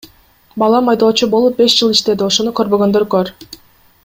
Балам айдоочу болуп, беш жыл иштеди, ошону көрбөгөндөр көр.